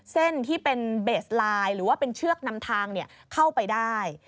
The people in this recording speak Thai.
เส้นที่เป็นเบสไลน์หรือว่าเป็นเชือกนำทางเข้าไปได้